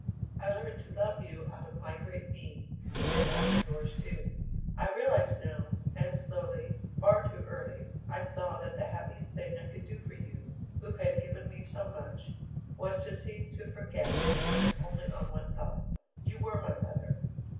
"I learned to love you out of my great need and out of yours, too, I realize now, and slowly, far too early, I saw that the happiest thing I could do for you, who had given me so much, was to seem to forget and rest only on one thought you were my mother!